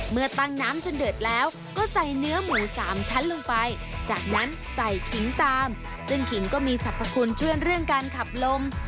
เมื่อตั้งน้ำจนเดือดแล้วก็ใส่เนื้อหมูสามชั้นลงไปจากนั้นใส่ขิงจามซึ่งขิงก็มีสรรพคุณเชื่อเรื่องการขับลม